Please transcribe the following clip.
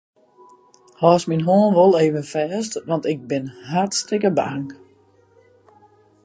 Hâldst myn hân wol even fêst, want ik bin hartstikke bang.